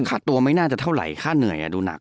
ค่าตัวไม่น่าจะเท่าไหร่ค่าเหนื่อยดูหนัก